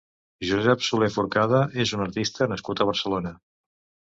Josep Soler Forcada és un artista nascut a Barcelona.